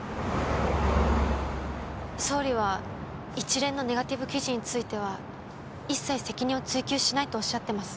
総理は一連のネガティブ記事については一切責任を追及しないとおっしゃってます。